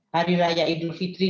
hari raya idul fitri